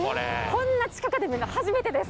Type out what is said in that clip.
こんな近くで見るの初めてです。